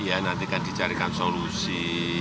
ya nanti kan dicarikan solusi